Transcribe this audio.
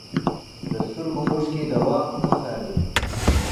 د سترګو اوښکې دوام وڅارئ.